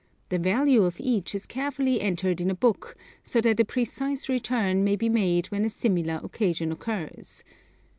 The value of each is carefully entered in a book, so that a precise return may be made when a similar occasion occurs.